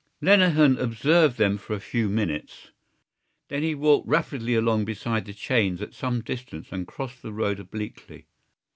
Lenehan observed them for a few minutes. Then he walked rapidly along beside the chains at some distance and crossed the road obliquely.